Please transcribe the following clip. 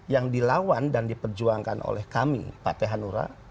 yang dilawan dan diperjuangkan oleh kami pak t hanura